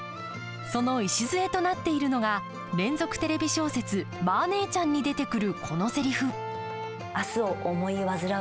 その礎となっているのが連続テレビ小説「マー姉ちゃん」に出てくるこのせりふ。